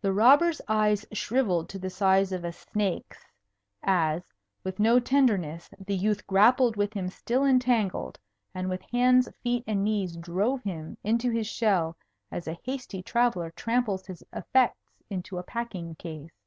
The robber's eyes shrivelled to the size of a snake's, as, with no tenderness, the youth grappled with him still entangled, and with hands, feet, and knees drove him into his shell as a hasty traveller tramples his effects into a packing case.